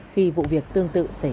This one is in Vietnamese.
khi vụ việc tương tự xảy ra